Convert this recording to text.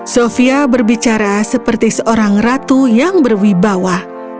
sofia berbicara seperti seorang ratu yang berwibawa